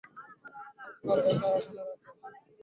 শঙ্কর, এটা ওখানে রাখ।